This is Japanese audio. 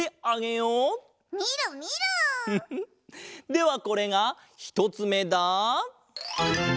ではこれがひとつめだ。